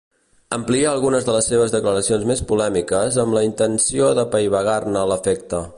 Amplia algunes de les seves declaracions més polèmiques amb la intenció d'apaivagar-ne l'efecte.